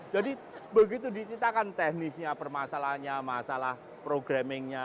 jadi begitu dititahkan teknisnya permasalahannya masalah programmingnya